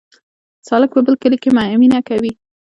سالک په بل کلي کې مینه کوي